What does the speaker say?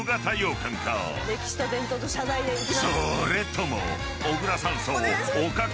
［それとも］